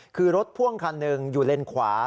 คือรถพ่วงคันหนึ่งอยู่เลนขวา